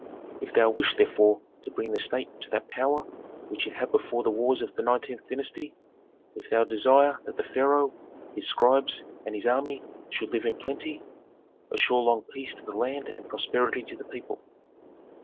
If thou wish therefore to bring the state to that power which it had before the wars of the nineteenth dynasty, if thou desire that the pharaoh, his scribes, and his army should live in plenty, assure long peace to the land and prosperity to the people.